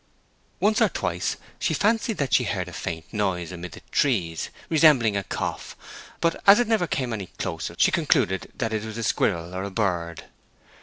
Once or twice she fancied that she heard a faint noise amid the trees, resembling a cough; but as it never came any nearer she concluded that it was a squirrel or a bird.